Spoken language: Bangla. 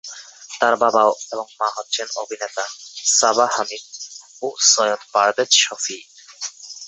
তার বাবা এবং মা হচ্ছেন অভিনেতা সাবা হামিদ ও সৈয়দ পারভেজ শফী।